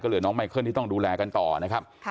เหลือน้องไมเคิลที่ต้องดูแลกันต่อนะครับ